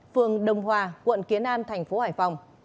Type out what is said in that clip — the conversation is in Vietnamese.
phường đồng hòa quận kiến an thành phố hải phòng